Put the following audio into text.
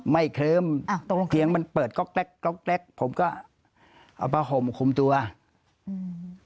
ไม่เคิมอ่าตรงรถเมียงมันเปิดผมก็เอาปะห่มคุมตัวอืม